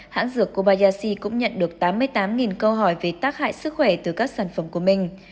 hãng dược kobayashi cũng nhận được tám mươi tám câu hỏi về tác hại sức khỏe từ các sản phẩm của mình